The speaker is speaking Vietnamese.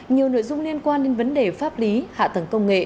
nhiều nội dung liên quan đến vấn đề pháp lý hạ tầng công nghệ